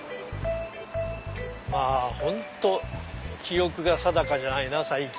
まぁ本当記憶が定かじゃないな最近。